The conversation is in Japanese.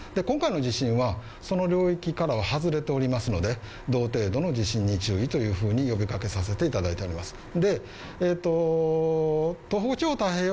今回の地震はその領域から外れておりますので、同程度の地震に注意というふうに呼び掛けさせていただいております